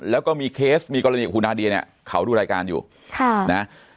แล้วก็มีเคสมีกรณีของคุณนาเดียเนี่ยเขาดูรายการอยู่ค่ะนะ